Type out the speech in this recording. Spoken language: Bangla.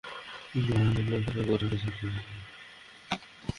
সরকার যদি মানুষের রুটি-রুজির ওপর হাত চালায়, তাহলে নিশ্চয়ই মানুষই রাস্তায় নামবে।